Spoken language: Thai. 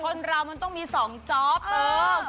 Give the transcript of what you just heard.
คนเรามันต้องมี๒จ๊อป